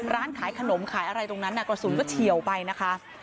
ร้านขายขนมขายอะไรตรงนั้นกระสุนก็เฉียวไปนะคะ